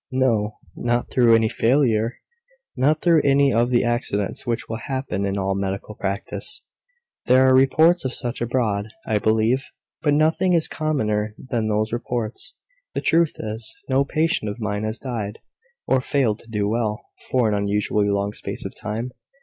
No; not through any failure; not through any of the accidents which will happen in all medical practice. There are reports of such abroad, I believe; but nothing is commoner than those reports. The truth is, no patient of mine has died, or failed to do well, for an unusually long space of time.